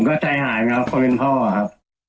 ก็ใจหายครับคนเป็นพ่อครับ